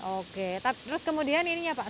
oke terus kemudian ini ya pak